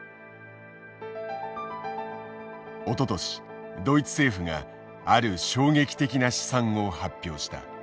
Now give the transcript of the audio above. おととしドイツ政府がある衝撃的な試算を発表した。